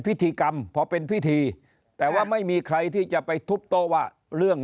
พิธีกรรมพอเป็นพิธีแต่ว่าไม่มีใครที่จะไปทุบโต๊ะว่าเรื่อง